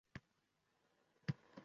— O‘ninchi sinfni.